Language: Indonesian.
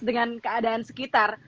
dengan keadaan sekitar